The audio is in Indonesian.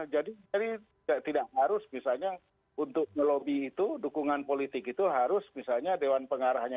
jadi tidak harus misalnya untuk melobi itu dukungan politik itu harus misalnya dewan pengarahnya